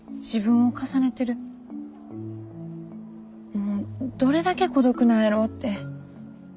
もうどれだけ孤独なんやろって。